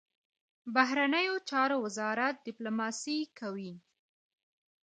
بهرنیو چارو وزارت ډیپلوماسي کوي